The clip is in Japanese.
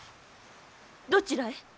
どちらへ？